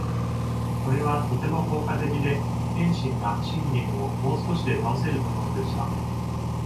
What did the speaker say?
これはとても効果的で、謙信が信玄をもう少しで倒せるところでした。